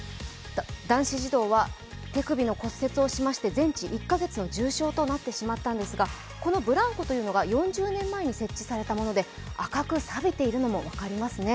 男子児童は手首を骨折しまして全治１か月の重傷となってしまったんですがこのブランコというのが４０年前に設置されたもので赤くさびているのも分かりますね。